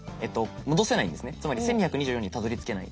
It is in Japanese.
つまり１，２２４にたどりつけない。